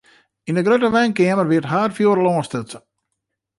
Yn de grutte wenkeamer wie it hurdfjoer al oanstutsen.